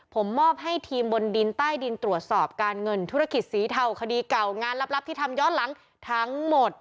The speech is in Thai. ผมมอบให้ทีมบนดินใต้ดินตรวจสอบการเงินธุรกิจสีเทาคดีเก่างานลับที่ทำย้อนหลังทั้งหมด